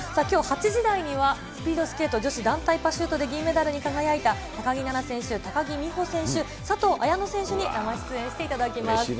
きょう８時台には、スピードスケート女子団体パシュートで銀メダルに輝いた高木菜那選手、高木美帆選手、佐藤綾乃選手に生出演していただきます。